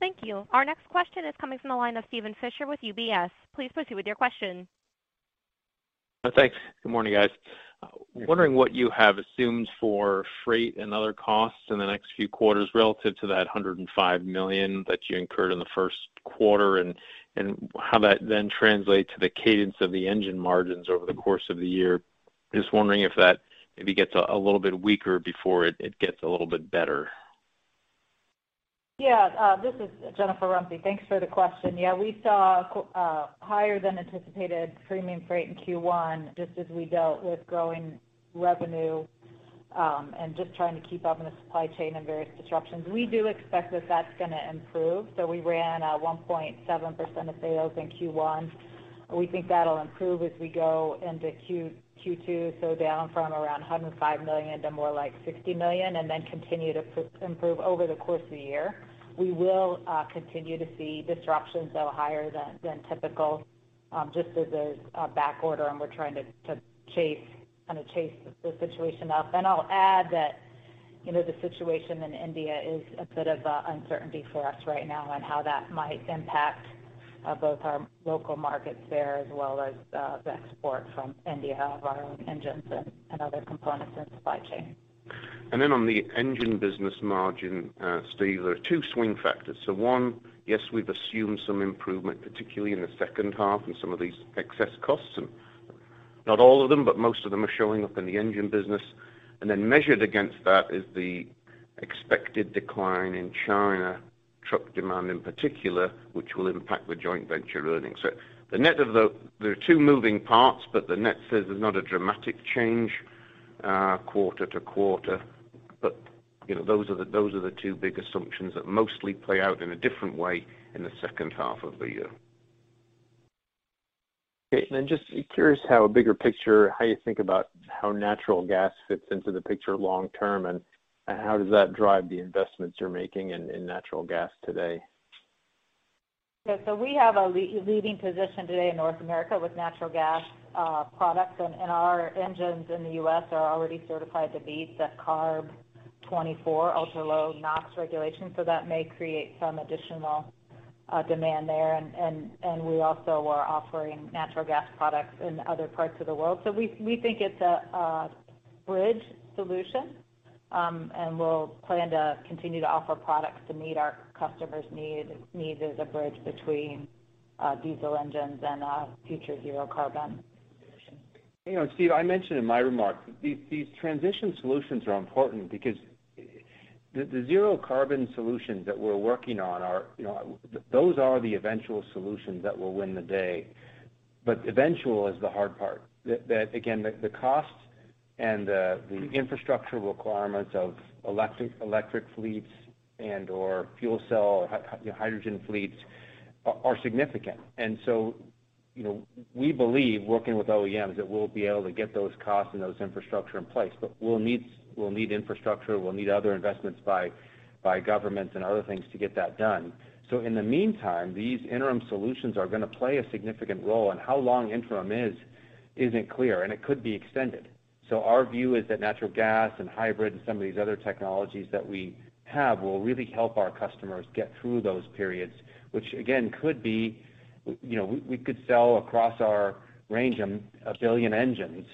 Thank you. Our next question is coming from the line of Steven Fisher with UBS. Please proceed with your question. Thanks. Good morning, guys. Wondering what you have assumed for freight and other costs in the next few quarters relative to that $105 million that you incurred in the first quarter and how that then translates to the cadence of the engine margins over the course of the year. Just wondering if that maybe gets a little bit weaker before it gets a little bit better. This is Jennifer Rumsey. Thanks for the question. We saw higher-than-anticipated premium freight in Q1 just as we dealt with growing revenue and just trying to keep up in the supply chain and various disruptions. We do expect that that's going to improve. We ran 1.7% of sales in Q1. We think that'll improve as we go into Q2, down from around $105 million to more like $60 million, then continue to improve over the course of the year. We will continue to see disruptions that are higher than typical just as there's a backorder. We're trying to kind of chase the situation up. I'll add that the situation in India is a bit of uncertainty for us right now and how that might impact both our local markets there as well as the export from India of our own engines and other components in the supply chain. On the engine business margin, Steve, there are two swing factors. One, yes, we've assumed some improvement, particularly in the second half and some of these excess costs, and not all of them, but most of them are showing up in the engine business. Measured against that is the expected decline in China truck demand in particular, which will impact the joint venture earnings. There are two moving parts, but the net says there's not a dramatic change quarter to quarter, but those are the two big assumptions that mostly play out in a different way in the second half of the year. Okay. Just curious how a bigger picture, how you think about how natural gas fits into the picture long-term, and how does that drive the investments you're making in natural gas today? Yeah. We have a leading position today in North America with natural gas products, and our engines in the U.S. are already certified to meet the CARB 2024 ultra-low NOx regulation, that may create some additional demand there. We also are offering natural gas products in other parts of the world, we think it's a bridge solution, we'll plan to continue to offer products to meet our customers' needs as a bridge between diesel engines and a future zero-carbon solution. Steve, I mentioned in my remarks that these transition solutions are important because the zero-carbon solutions that we're working on, those are the eventual solutions that will win the day, but eventual is the hard part. Again, the costs and the infrastructure requirements of electric fleets and/or fuel cell or hydrogen fleets are significant, and so we believe working with OEMs that we'll be able to get those costs and those infrastructure in place, but we'll need infrastructure. We'll need other investments by governments and other things to get that done. In the meantime, these interim solutions are going to play a significant role, and how long interim is isn't clear, and it could be extended. Our view is that natural gas and hybrid and some of these other technologies that we have will really help our customers get through those periods, which again could be we could sell across our range a billion engines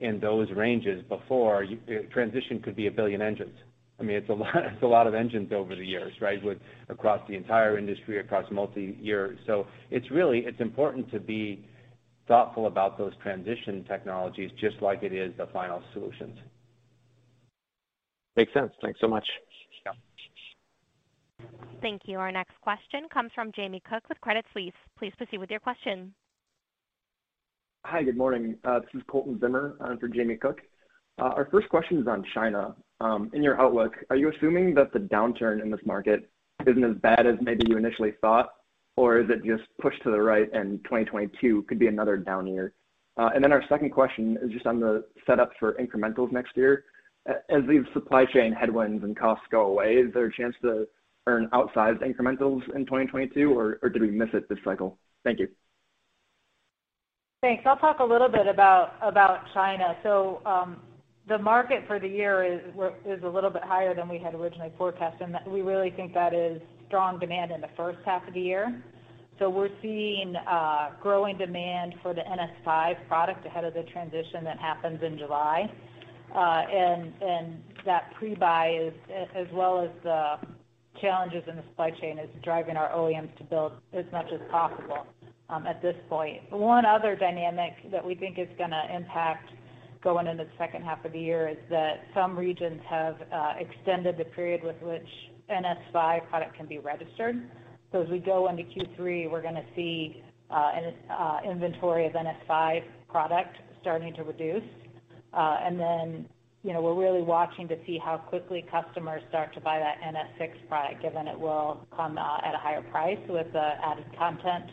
in those ranges before transition could be a billion engines. I mean, it's a lot of engines over the years, right, across the entire industry, across multi-years. It's important to be thoughtful about those transition technologies just like it is the final solutions. Makes sense. Thanks so much. Thank you. Our next question comes from Jamie Cook with Credit Suisse. Please proceed with your question. Hi. Good morning. This is Colton Zimmer for Jamie Cook. Our first question is on China. In your outlook, are you assuming that the downturn in this market isn't as bad as maybe you initially thought, or is it just pushed to the right and 2022 could be another down year? Our second question is just on the setup for incrementals next year. As these supply chain headwinds and costs go away, is there a chance to earn outsized incrementals in 2022, or did we miss it this cycle? Thank you. Thanks. I'll talk a little bit about China. The market for the year is a little bit higher than we had originally forecast, and we really think that is strong demand in the first half of the year. We're seeing growing demand for the NS V product ahead of the transition that happens in July, and that pre-buy as well as the challenges in the supply chain is driving our OEMs to build as much as possible at this point. One other dynamic that we think is going to impact going into the second half of the year is that some regions have extended the period with which NS V product can be registered. As we go into Q3, we're going to see an inventory of NS V product starting to reduce, and then we're really watching to see how quickly customers start to buy that NS VI product given it will come at a higher price with the added content.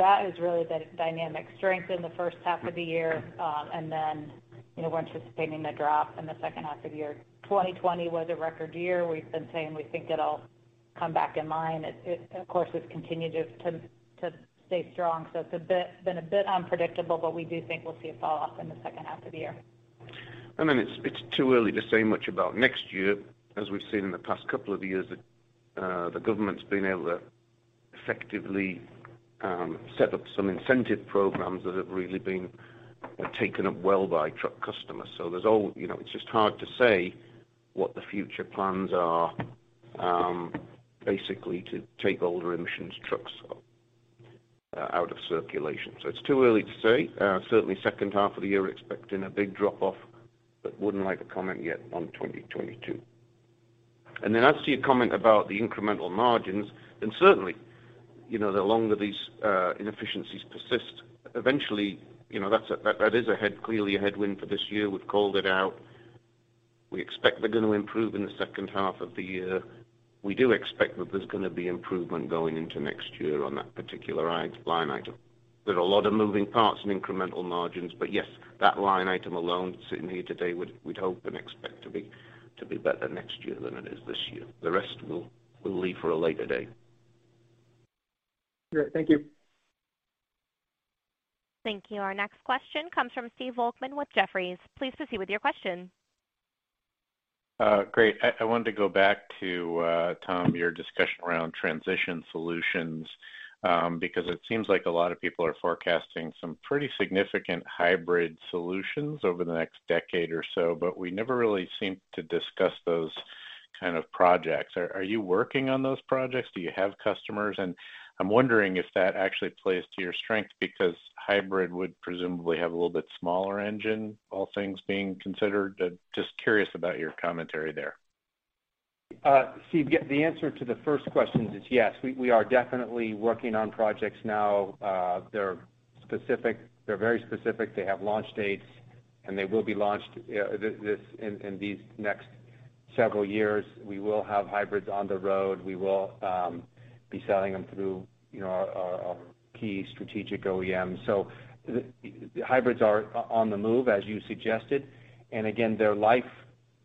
That is really the dynamic strength in the first half of the year, and then we're anticipating a drop in the second half of the year. 2020 was a record year. We've been saying we think it'll come back in line. Of course, it's continued to stay strong, so it's been a bit unpredictable, but we do think we'll see a falloff in the second half of the year. I mean, it's too early to say much about next year. As we've seen in the past couple of years, the government's been able to effectively set up some incentive programs that have really been taken up well by truck customers, it's just hard to say what the future plans are basically to take older emissions trucks out of circulation. It's too early to say. Certainly, second half of the year, we're expecting a big drop-off, wouldn't like a comment yet on 2022. As to your comment about the incremental margins, certainly, the longer these inefficiencies persist, eventually, that is clearly a headwind for this year. We've called it out. We expect they're going to improve in the second half of the year. We do expect that there's going to be improvement going into next year on that particular line item. There are a lot of moving parts and incremental margins, but yes, that line item alone sitting here today, we'd hope and expect to be better next year than it is this year. The rest will leave for a later day. Great. Thank you. Thank you. Our next question comes from Steve Volkmann with Jefferies. Please proceed with your question. Great. I wanted to go back to, Tom, your discussion around transition solutions because it seems like a lot of people are forecasting some pretty significant hybrid solutions over the next decade or so, but we never really seem to discuss those kind of projects. Are you working on those projects? Do you have customers? I'm wondering if that actually plays to your strength because hybrid would presumably have a little bit smaller engine, all things being considered. Just curious about your commentary there. Steve, the answer to the first question is yes. We are definitely working on projects now. They're very specific. They have launch dates, and they will be launched in these next several years. We will have hybrids on the road. We will be selling them through our key strategic OEMs. Hybrids are on the move, as you suggested, and again, their life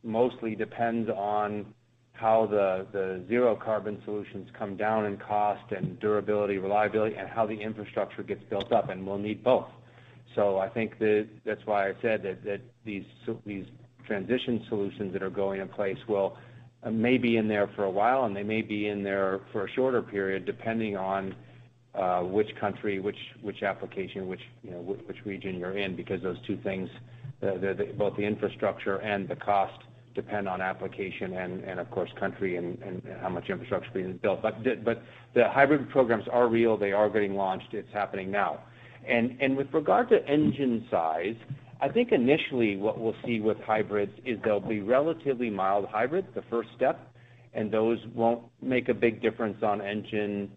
mostly depends on how the zero-carbon solutions come down in cost and durability, reliability, and how the infrastructure gets built up, and we'll need both. I think that's why I said that these transition solutions that are going in place may be in there for a while, and they may be in there for a shorter period depending on which country, which application, which region you're in because those two things, both the infrastructure and the cost, depend on application and, of course, country and how much infrastructure is being built. The hybrid programs are real. They are getting launched. It's happening now. With regard to engine size, I think initially what we'll see with hybrids is they'll be relatively mild hybrid, the first step, and those won't make a big difference on engine.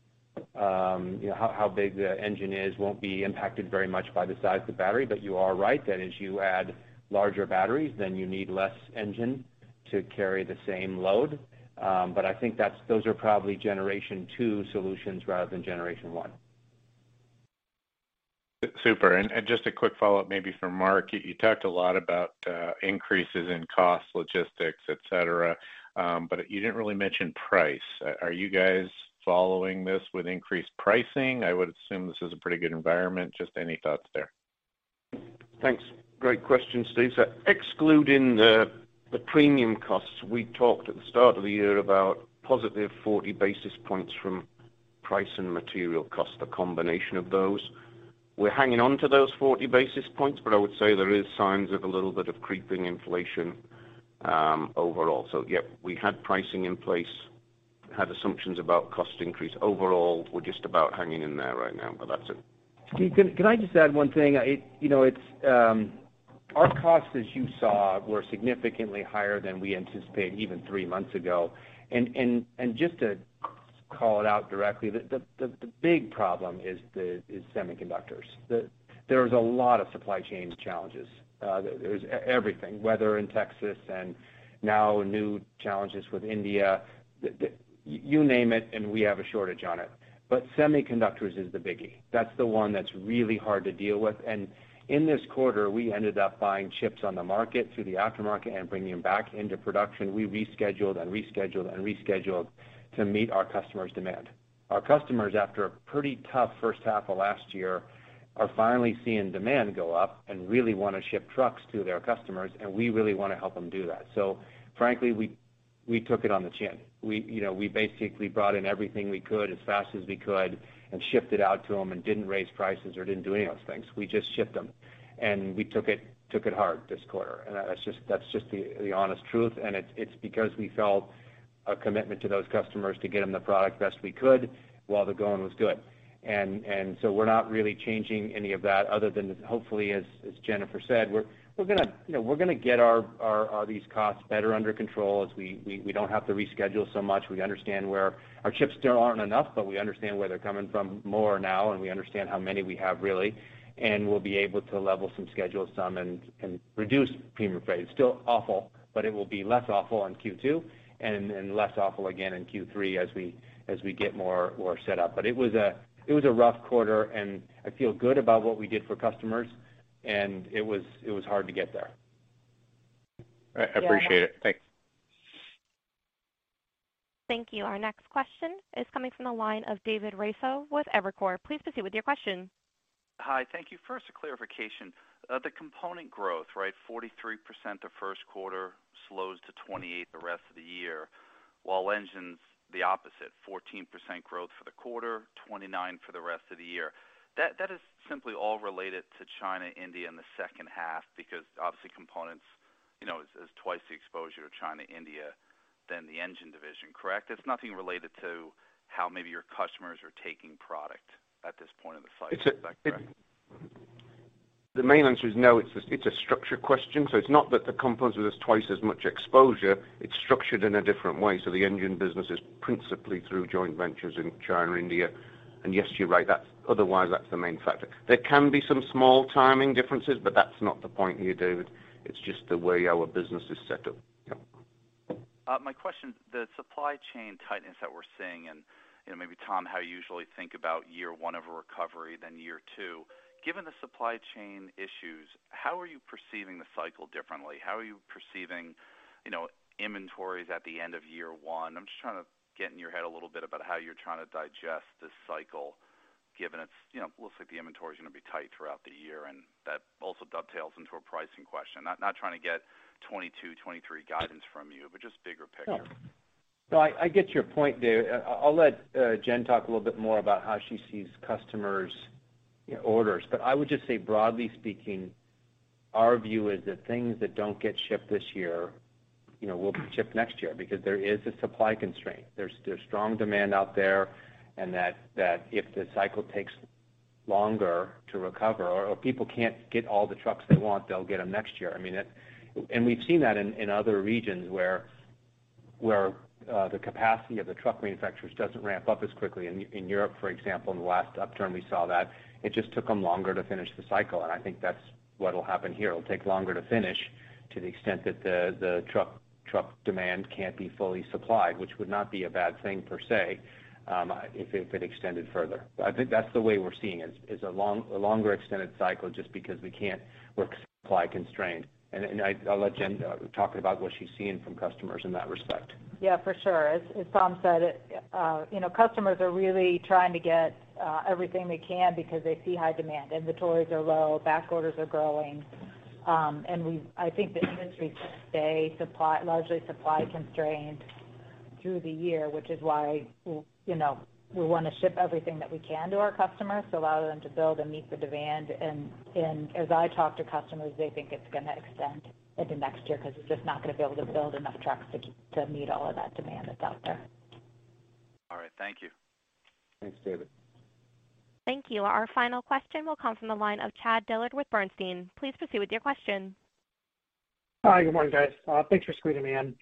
How big the engine is won't be impacted very much by the size of the battery, but you are right that as you add larger batteries, then you need less engine to carry the same load. I think those are probably Generation 2 solutions rather than Generation 1. Super. Just a quick follow-up maybe from Mark. You talked a lot about increases in cost, logistics, etc., but you didn't really mention price. Are you guys following this with increased pricing? I would assume this is a pretty good environment. Just any thoughts there? Thanks. Great question, Steve. Excluding the premium costs, we talked at the start of the year about positive 40 basis points from price and material cost, the combination of those. We're hanging onto those 40 basis points, I would say there are signs of a little bit of creeping inflation overall. Yep, we had pricing in place. We had assumptions about cost increase. Overall, we're just about hanging in there right now, that's it. Steve, can I just add one thing? Our costs, as you saw, were significantly higher than we anticipated even three months ago. Just to call it out directly, the big problem is semiconductors. There's a lot of supply chain challenges. There's everything, weather in Texas and now new challenges with India. You name it, and we have a shortage on it, but semiconductors is the biggie. That's the one that's really hard to deal with. In this quarter, we ended up buying chips on the market through the aftermarket and bringing them back into production. We rescheduled and rescheduled and rescheduled to meet our customers' demand. Our customers, after a pretty tough first half of last year, are finally seeing demand go up and really want to ship trucks to their customers, and we really want to help them do that. Frankly, we took it on the chin. We basically brought in everything we could as fast as we could and shipped it out to them and didn't raise prices or didn't do any of those things. We just shipped them, and we took it hard this quarter. That's just the honest truth. It's because we felt a commitment to those customers to get them the product best we could while the going was good. We're not really changing any of that other than, hopefully, as Jennifer said, we're going to get these costs better under control as we don't have to reschedule so much. Our chips still aren't enough, but we understand where they're coming from more now, and we understand how many we have really, and we'll be able to level some schedules some and reduce premium freight. It’s still awful, but it will be less awful in Q2 and less awful again in Q3 as we get more set up. It was a rough quarter, and I feel good about what we did for customers, and it was hard to get there. I appreciate it. Thanks. Thank you. Our next question is coming from the line of David Raso with Evercore. Please proceed with your question. Hi. Thank you. First, a clarification. The component growth, right, 43% the first quarter, slows to 28% the rest of the year, while engines, the opposite, 14% growth for the quarter, 29% for the rest of the year. That is simply all related to China, India, in the second half because, obviously, components is twice the exposure to China, India than the engine division, correct? It's nothing related to how maybe your customers are taking product at this point in the cycle. Is that correct? The main answer is no. It's a structure question. It's not that the components are just twice as much exposure. It's structured in a different way. The engine business is principally through joint ventures in China and India, and yes, you're right. Otherwise, that's the main factor. There can be some small timing differences, but that's not the point here, David. It's just the way our business is set up. My question, the supply chain tightness that we're seeing, maybe, Tom, how you usually think about year one of a recovery than year two. Given the supply chain issues, how are you perceiving the cycle differently? How are you perceiving inventories at the end of year one? I'm just trying to get in your head a little bit about how you're trying to digest this cycle given it looks like the inventory's going to be tight throughout the year, that also dovetails into a pricing question. Not trying to get 2022, 2023 guidance from you, just bigger picture. No, I get your point, David. I'll let Jen talk a little bit more about how she sees customers' orders. I would just say, broadly speaking, our view is that things that don't get shipped this year will be shipped next year because there is a supply constraint. There's strong demand out there, that if the cycle takes longer to recover or people can't get all the trucks they want, they'll get them next year. I mean, we've seen that in other regions where the capacity of the truck manufacturers doesn't ramp up as quickly. In Europe, for example, in the last upturn, we saw that. It just took them longer to finish the cycle. I think that's what'll happen here. It'll take longer to finish to the extent that the truck demand can't be fully supplied, which would not be a bad thing per se if it extended further. I think that's the way we're seeing it, is a longer extended cycle just because we're supply constrained. I'll let Jen talk about what she's seeing from customers in that respect. Yeah, for sure. As Tom said, customers are really trying to get everything they can because they see high demand. Inventories are low. Backorders are growing. I think the industry's going to stay largely supply constrained through the year, which is why we want to ship everything that we can to our customers to allow them to build and meet the demand. As I talk to customers, they think it's going to extend into next year because it's just not going to be able to build enough trucks to meet all of that demand that's out there. All right. Thank you. Thanks, David. Thank you. Our final question will come from the line of Chad Dillard with Bernstein. Please proceed with your question. Hi. Good morning, guys. Thanks for squeezing me in.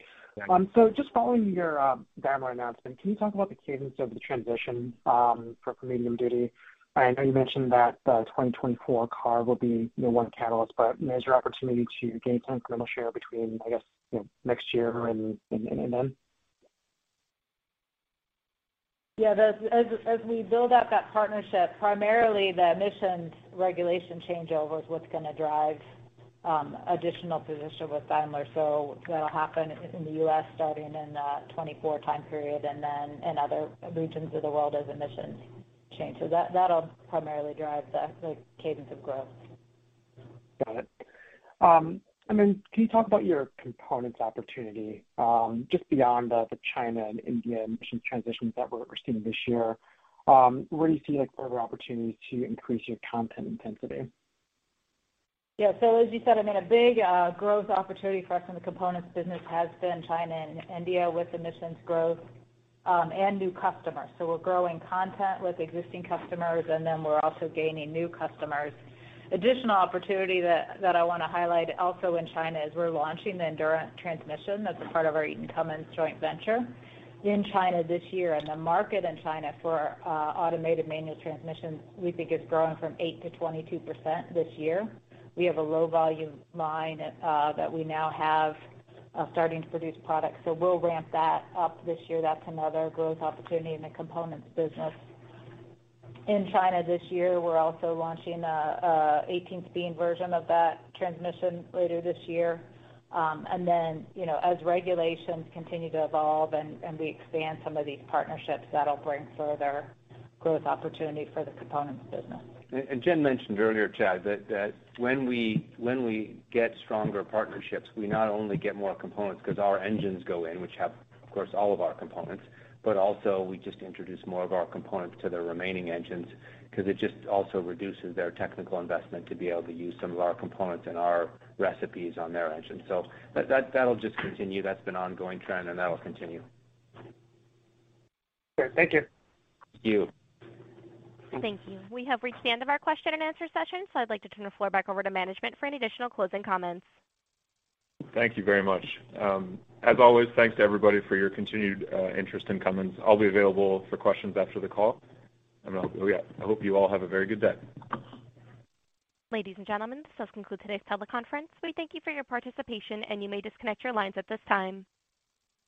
Just following your Daimler announcement, can you talk about the cadence of the transition for medium duty? I know you mentioned that the 2024 CARB will be one catalyst, but is there an opportunity to gain some incremental share between, I guess, next year and then? Yeah. As we build up that partnership, primarily, the emissions regulation changeover is what's going to drive additional position with Daimler. That'll happen in the U.S. starting in the 2024 time period and then in other regions of the world as emissions change. That'll primarily drive the cadence of growth. Got it. I mean, can you talk about your components opportunity just beyond the China and India emissions transitions that we're seeing this year? Where do you see further opportunities to increase your content intensity? As you said, I mean, a big growth opportunity for us in the components business has been China and India with emissions growth and new customers. We're growing content with existing customers, we're also gaining new customers. Additional opportunity that I want to highlight also in China is we're launching the Endurant transmission as a part of our Eaton Cummins joint venture in China this year. The market in China for automated manual transmissions, we think, is growing from 8% to 22% this year. We have a low-volume line that we now have starting to produce products, we'll ramp that up this year. That's another growth opportunity in the components business. In China this year, we're also launching an 18 L version of that transmission later this year. As regulations continue to evolve and we expand some of these partnerships, that'll bring further growth opportunity for the components business. Jen mentioned earlier, Chad, that when we get stronger partnerships, we not only get more components because our engines go in, which have, of course, all of our components, but also we just introduce more of our components to their remaining engines because it just also reduces their technical investment to be able to use some of our components and our recipes on their engines. That'll just continue. That's been an ongoing trend, and that'll continue. Great. Thank you. Thank you. Thank you. We have reached the end of our question-and-answer session, so I'd like to turn the floor back over to management for any additional closing comments. Thank you very much. As always, thanks to everybody for your continued interest in Cummins. I'll be available for questions after the call. Yeah, I hope you all have a very good day. Ladies and gentlemen, this does conclude today's teleconference. We thank you for your participation, and you may disconnect your lines at this time.